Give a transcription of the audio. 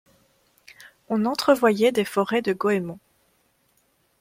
On entrevoyait des forêts de goëmons.